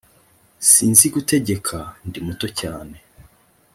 sinzi gutegeka ndi muto cyane